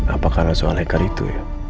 apa karena soal hacker itu ya